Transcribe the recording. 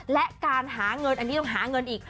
และการหาเงินอันนี้ต้องหาเงินอีก